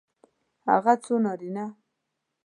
هغه څو نارینه